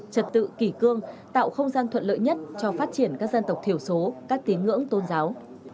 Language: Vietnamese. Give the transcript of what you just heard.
trật tự kỷ cương tạo không gian thuận lợi nhất cho phát triển các dân tộc thiểu số các tín ngưỡng tôn giáo